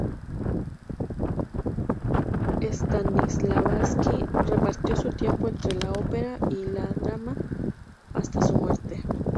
Stanislavski repartió su tiempo entre la ópera y el drama hasta su muerte.